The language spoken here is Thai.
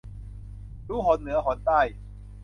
รู้หนเหนือหนใต้